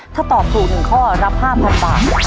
ถ้าตอบถูก๑ข้อรับ๕๐๐บาท